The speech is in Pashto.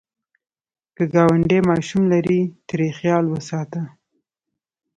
که ګاونډی ماشوم لري، ترې خیال وساته